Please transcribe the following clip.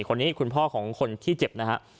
คนนี้คุณพ่อของคนที่เจ็บนะฮะ